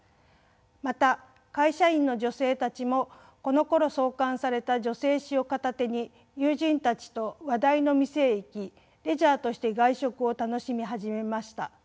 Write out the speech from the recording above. また会社員の女性たちもこのころ創刊された女性誌を片手に友人たちと話題の店へ行きレジャーとして外食を楽しみ始めました。